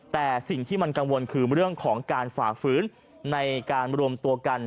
แต่สิ่งที่มันกังวลคือเรื่องของการฝ่าฝืนในการรวมตัวกัน